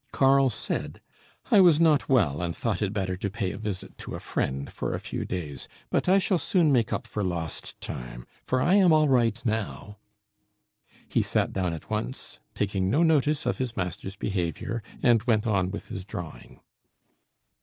Karl said "I was not well, and thought it better to pay a visit to a friend for a few days; but I shall soon make up for lost time, for I am all right now." He sat down at once, taking no notice of his master's behaviour, and went on with his drawing.